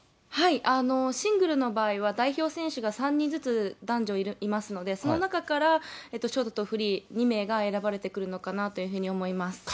はい、シングルの場合は、代表選手が３人ずつ、男女いますので、その中から、ショートとフリー、２名が選ばれてくるのかなと思います。